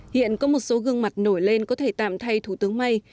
hiện có một số gương mặt nổi lên có thể tạm thay thủ tướng may